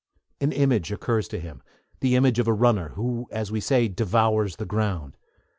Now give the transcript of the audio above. An image occurs to him, the image of a runner, who, as we say, 'devours' the ground.